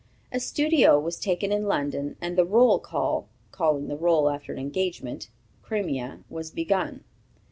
A studio was taken in London, and the "Roll Call" (calling the roll after an engagement, Crimea) was begun.